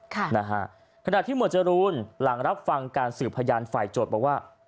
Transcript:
ขณะที่หมวดจรูนหลังรับฟังการสืบพยานฝ่ายโจทย์บอกว่า